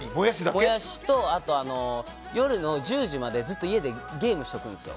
モヤシと、夜の１０時までずっと家でゲームしとくんですよ。